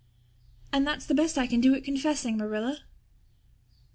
And that's the best I can do at confessing, Marilla."